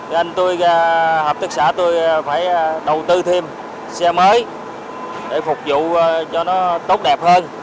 nên tôi hợp tác xã tôi phải đầu tư thêm xe mới để phục vụ cho nó tốt đẹp hơn